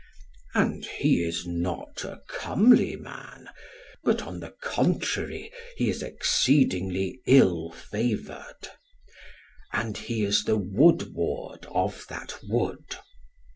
And he is not a comely man, but on the contrary he is exceedingly ill favoured; and he is the woodward of that wood.